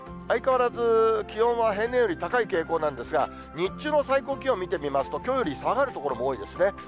相変わらず気温は平年より高い傾向なんですが、日中の最高気温見てみますときょうより下がる所も多いですね。